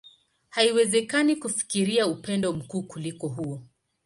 Haiwezekani kufikiria upendo mkuu kuliko huo.